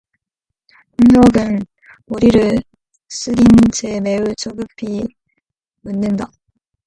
동혁은 머리를 숙인 채 매우 조급히 묻는다.